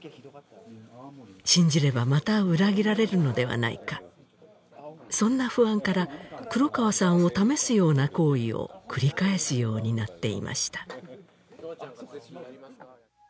信じればまた裏切られるのではないかそんな不安から黒川さんを試すような行為を繰り返すようになっていました